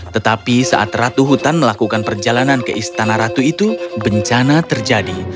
tetapi saat ratu hutan melakukan perjalanan ke istana ratu itu bencana terjadi